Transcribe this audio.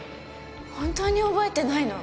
本当に覚えてないの？